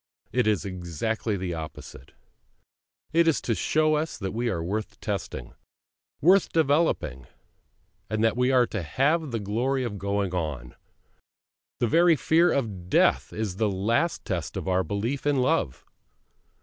It is exactly the opposite; it is to show us that we are worth testing, worth developing, and that we are to have the glory of going on; the very fear of death is the last test of our belief in Love.